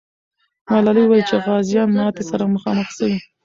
ملالۍ وویل چې غازیان ماتي سره مخامخ سوي.